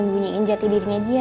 menyembunyiin jati dirinya dia